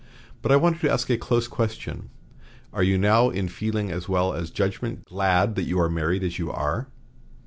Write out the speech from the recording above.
But I want to ask a close question. 'Are you now in feeling as well as judgment glad that you are married as you are?'